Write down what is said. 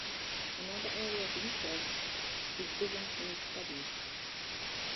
Another area of interest is Byzantine studies.